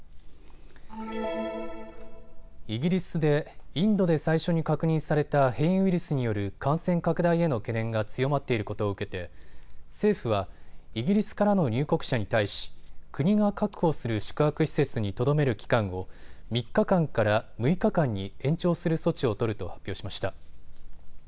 イギリスでインドで最初に確認された変異ウイルスによる感染拡大への懸念が強まっていることを受けて政府はイギリスからの入国者に対し、国が確保する宿泊施設にとどめる期間を３日間から６日間に延長する措置を取ると発表しました。